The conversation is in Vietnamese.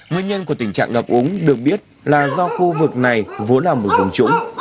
nguyên nhân của tình trạng ngập úng được biết là do khu vực này vốn là một vùng trũng